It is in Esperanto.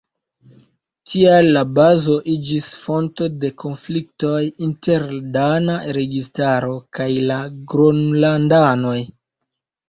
Tial la bazo iĝis fonto de konfliktoj inter dana registaro kaj la Gronlandanoj.